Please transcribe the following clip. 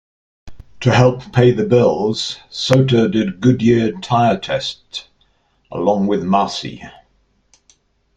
To help pay the bills, Sauter did Goodyear tire tests along with Marcis.